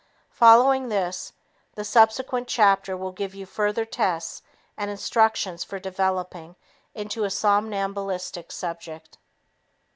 Following this, the subsequent chapter will give you further tests and instructions for developing into a somnambulistic subject.